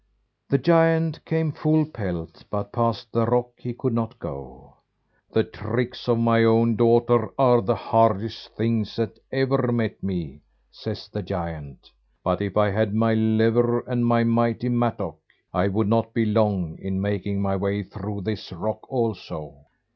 The giant came full pelt, but past the rock he could not go. "The tricks of my own daughter are the hardest things that ever met me," says the giant; "but if I had my lever and my mighty mattock, I would not be long in making my way through this rock also."